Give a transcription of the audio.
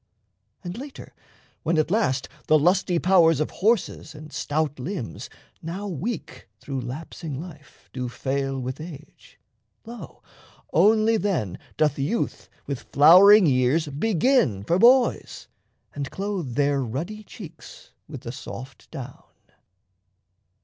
And later, when at last The lusty powers of horses and stout limbs, Now weak through lapsing life, do fail with age, Lo, only then doth youth with flowering years Begin for boys, and clothe their ruddy cheeks With the soft down.